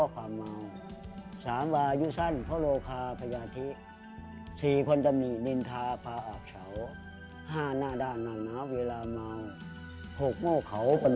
๔คนตมีลินทาพราอัก